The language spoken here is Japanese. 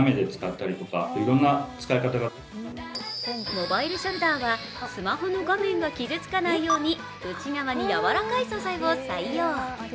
モバイルショルダーはスマホの画面が傷つかないように内側にやわらかい素材を採用。